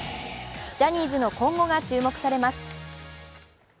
ジャニーズの今後が注目されます。